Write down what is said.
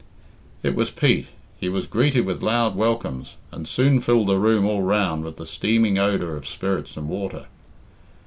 It was Pete. He was greeted with loud welcomes, and soon filled the room all round with the steaming odour of spirits and water.